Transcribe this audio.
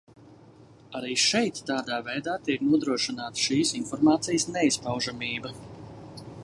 Arī šeit tādā veidā tiek nodrošināta šīs informācijas neizpaužamība.